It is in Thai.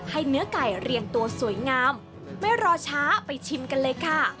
เนื้อไก่เรียงตัวสวยงามไม่รอช้าไปชิมกันเลยค่ะ